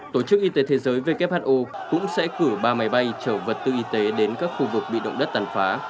tổ chức y tế thế giới who cũng sẽ cử ba máy bay chở vật tư y tế đến các khu vực bị động đất tàn phá